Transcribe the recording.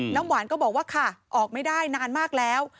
น้ำหวานก็บอกว่าค่ะออกไม่ได้นานมากแล้ว